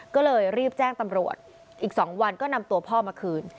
ก็เลยรีบแจ้งตำรวจอีก๒วันก็นำตัวพ่อมาคืน